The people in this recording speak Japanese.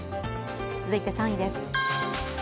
続いて３位です。